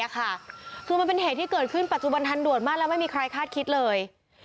คือมันเป็นเหตุที่เกิดขึ้นปัจจุบันทันด่วนมากแล้วไม่มีใครคาดคิดเลย